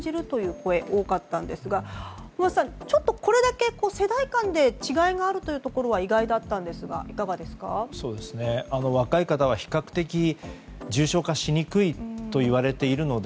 これが多かったんですが小松さん、これだけ世代間で違いがあるのは意外だったんですが若い人は比較的重症化しにくいといわれているので。